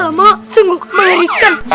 amak sungguh menarikan